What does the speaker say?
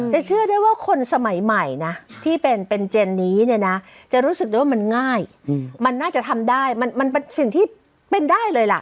พอยุทธิ์ดรรมนามภูกรก็น่าคิดเนอะ